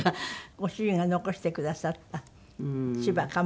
ご主人が残してくださった千葉鴨川の農園。